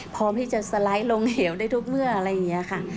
พร้อมที่จะสไลด์ลงเหวได้ทุกเมื่ออะไรอย่างนี้ค่ะ